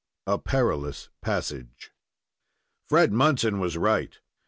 A PERILOUS PASSAGE Fred Munson was right.